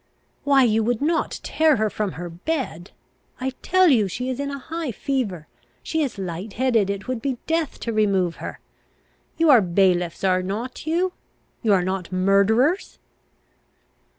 "Why, you would not tear her from her bed? I tell you, she is in a high fever; she is light headed; it would be death to remove her! You are bailiffs, are not you? You are not murderers?"